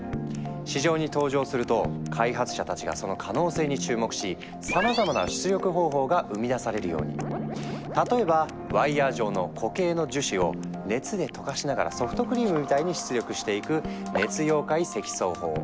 市場に登場すると開発者たちがその可能性に注目し例えばワイヤー状の固形の樹脂を熱で溶かしながらソフトクリームみたいに出力していく「熱溶解積層法」。